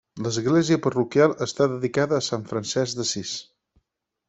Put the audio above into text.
L'església parroquial està dedicada a Sant Francesc d'Assís.